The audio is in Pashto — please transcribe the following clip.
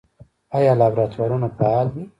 آیا لابراتوارونه فعال دي؟